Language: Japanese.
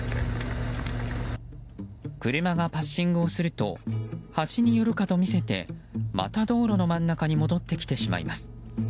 車がパッシングをすると端に寄るかと見せてまた道路の真ん中に戻ってきてしまいます。